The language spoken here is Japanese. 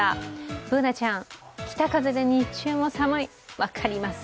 Ｂｏｏｎａちゃん、北風で日中も寒い、分かります。